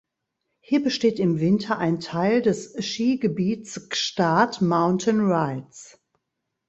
Hier besteht im Winter ein Teil des "Skigebiets Gstaad Mountain Rides".